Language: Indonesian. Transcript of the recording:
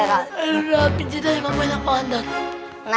rabi jadilah yang memulai langkah anda